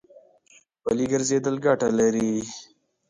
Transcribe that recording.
پلي ګرځېدل ګټه لري.